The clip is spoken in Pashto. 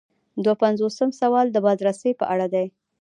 دوه پنځوسم سوال د بازرسۍ په اړه دی.